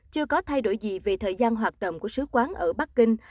chưa có thay đổi gì về thời gian hoạt động của sứ quán ở bắc kinh